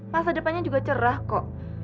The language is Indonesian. masa depannya juga cerah kok